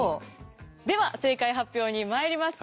では正解発表にまいります。